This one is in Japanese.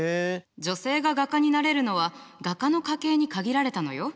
女性が画家になれるのは画家の家系に限られたのよ。